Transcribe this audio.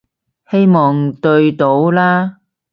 希望對到啦